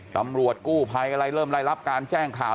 ตำรวจกู้ภัยอะไรเริ่มได้รับการแจ้งข่าว